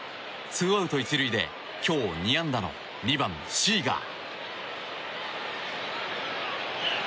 ツーアウト１塁で今日２安打の２番、シーガー。